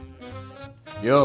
よう。